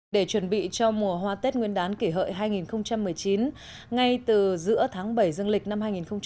để chuẩn bị cho mùa hoa tết nguyên đán kỷ hợi hai nghìn một mươi chín ngay từ giữa tháng bảy dân lịch năm hai nghìn một mươi tám